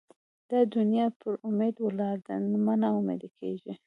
دا دونیا پر اُمید ولاړه ده؛ مه نااميده کېږئ!